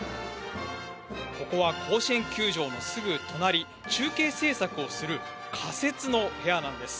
ここは甲子園球場のすぐ隣中継制作をする仮設の部屋なんです。